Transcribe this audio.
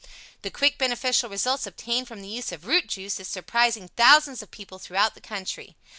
The quick, beneficial results obtained from the use of ROOT JUICE is surprising thousands of people throughout the country.